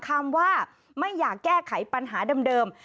คำว่าไม่อยากแก้ไขปัญหาเดิม